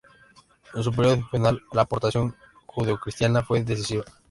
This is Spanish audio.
En su periodo final, la aportación judeocristiana fue decisiva.